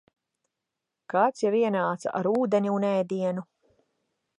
Kāds jau ienāca ar ūdeni un ēdienu.